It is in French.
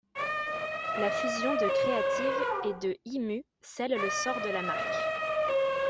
La fusion de Creative et d'E-mu scelle le sort de la marque.